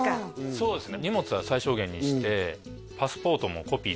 そうですね